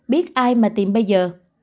biết ai mà tìm bây giờ